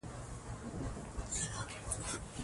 د غذایي مکملونو سره پروبیوتیکونه اخیستل کیږي.